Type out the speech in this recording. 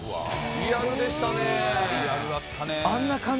リアルだったね。